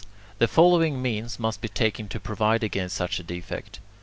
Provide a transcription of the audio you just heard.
The following means must be taken to provide against such a defect.